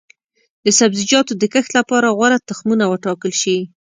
د سبزیجاتو د کښت لپاره غوره تخمونه وټاکل شي.